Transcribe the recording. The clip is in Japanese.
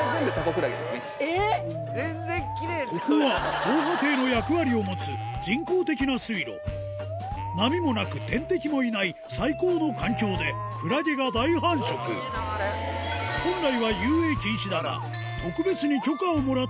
ここは防波堤の役割を持つ人工的な水路波もなく天敵もいない最高の環境でクラゲが大繁殖大きいなあれ。